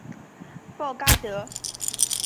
鲍戈德。